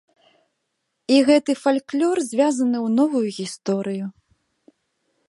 І гэты фальклор звязаны ў новую гісторыю.